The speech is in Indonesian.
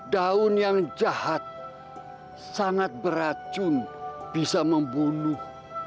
daun yang jahat sangat beracun bisa membunuh